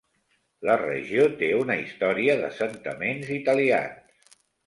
La regió té una història d'assentaments italians.